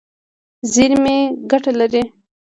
زیرمې ګټه لري.